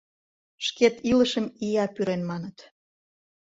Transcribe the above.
Шкет илышым ия пӱрен, маныт...